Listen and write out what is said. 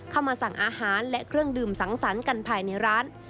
เข้ามาสั่งอาหารและเครื่องดื่มสังสรรค์กันภายในร้าน